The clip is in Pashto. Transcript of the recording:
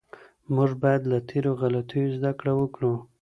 موږ باید له تېرو غلطیو زده کړه وکړو.